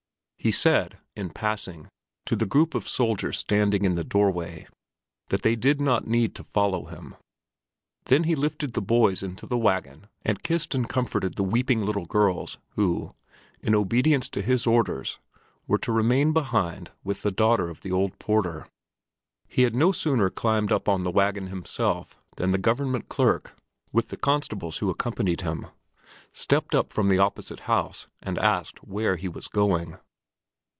He said, in passing, to the group of soldiers standing in the doorway that they did not need to follow him; then he lifted the boys into the wagon and kissed and comforted the weeping little girls who, in obedience to his orders, were to remain behind with the daughter of the old porter. He had no sooner climbed up on the wagon himself than the government clerk, with the constables who accompanied him, stepped up from the opposite house and asked where he was going.